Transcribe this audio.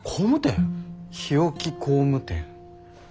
日置工務店。